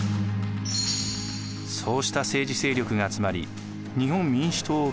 そうした政治勢力が集まり日本民主党を結成。